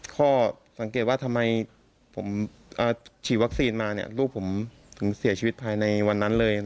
ข้อสังเกตว่าทำไมผมฉีดวัคซีนมาลูกผมถึงเสียชีวิตภายในวันนั้นเลย